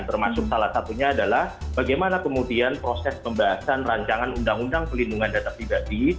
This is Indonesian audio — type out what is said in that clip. termasuk salah satunya adalah bagaimana kemudian proses pembahasan rancangan undang undang pelindungan data pribadi